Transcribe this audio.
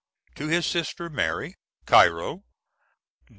To his sister Mary.] Cairo, Dec.